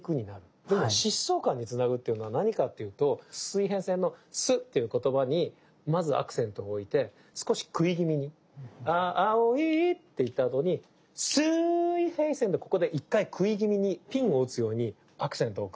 でも疾走感につなぐっていうのは何かっていうと「すいへいせん」の「す」っていう言葉にまずアクセントを置いて少しくい気味にあおいって言ったあとにすいへいせんのここで１回くい気味にピンを打つようにアクセントを置く。